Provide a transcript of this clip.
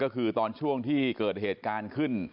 ก็คือตอนช่วงที่เกิดเหตุการณ์ขึ้น